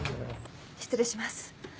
失礼します。